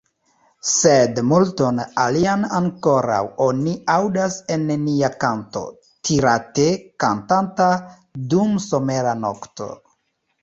Sed multon alian ankoraŭ oni aŭdas en nia kanto, tirate kantata dum somera nokto!